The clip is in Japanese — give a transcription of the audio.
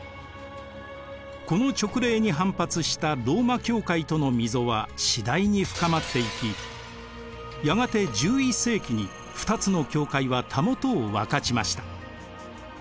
この勅令に反発したローマ教会との溝は次第に深まっていきやがて１１世紀に２つの教会はたもとを分かちました。